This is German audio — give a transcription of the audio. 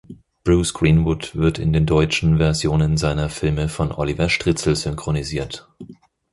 Bruce Greenwood wird in den deutschen Versionen seiner Filme von Oliver Stritzel synchronisiert.